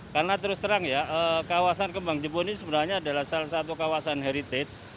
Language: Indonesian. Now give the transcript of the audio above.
karena terus terang ya kawasan kembang jepun ini sebenarnya adalah salah satu kawasan heritage